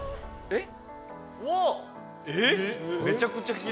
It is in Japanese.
えっ！